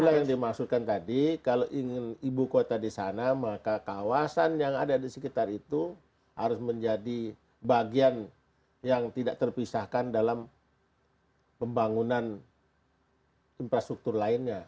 itulah yang dimaksudkan tadi kalau ingin ibu kota di sana maka kawasan yang ada di sekitar itu harus menjadi bagian yang tidak terpisahkan dalam pembangunan infrastruktur lainnya